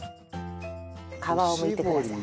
皮をむいてください。